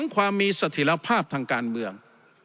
ความมีสถิรภาพทางการเมือง